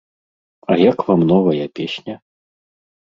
А як вам новая песня?